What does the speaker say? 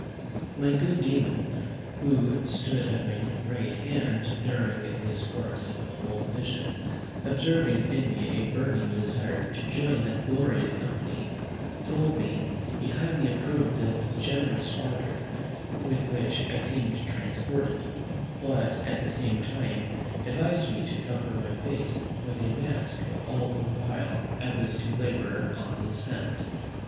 My good demon, who stood at my right hand during this course of the whole vision, observing in me a burning desire to join that glorious company, told me, "he highly approved that generous ardour with which I seemed transported; but at the same time advised me to cover my face with a mask all the while I was to labour on the ascent."